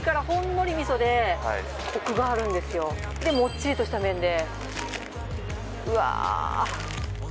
もっちりとした麺で、うわ！